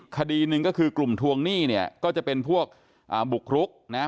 คดีหนึ่งก็คือกลุ่มทวงหนี้เนี่ยก็จะเป็นพวกบุกรุกนะฮะ